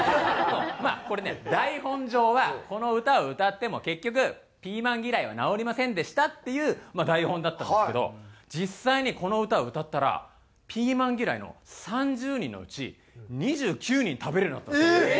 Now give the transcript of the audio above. まあこれね台本上はこの歌を歌っても結局ピーマン嫌いは直りませんでしたっていう台本だったんですけど実際にこの歌を歌ったらピーマン嫌いの３０人のうち２９人食べれるようになったんですよ。